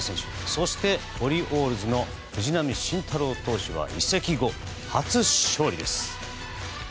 そしてオリオールズの藤浪晋太郎投手は移籍後、初勝利です。